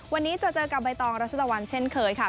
วันนี้จะเจอกับใบตองรัชตะวันเช่นเคยค่ะ